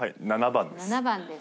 ７番です。